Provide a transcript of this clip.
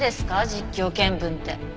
実況見分って。